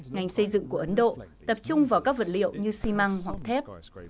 ngành xây dựng của ấn độ tập trung vào các vật liệu như xi măng hoặc thép